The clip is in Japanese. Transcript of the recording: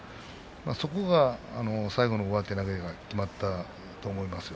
そこが最後の上手投げがきまったと思いますよ。